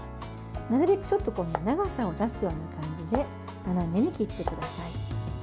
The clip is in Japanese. なるべく長さを出すような感じで斜めに切ってください。